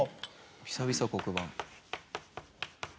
久々黒板。